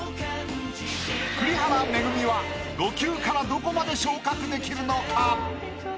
栗原恵は５級からどこまで昇格できるのか？